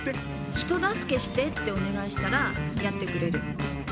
「人助けして」ってお願いしたらやってくれる。